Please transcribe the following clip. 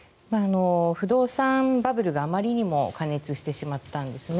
不動産バブルがあまりにも過熱してしまったんですね。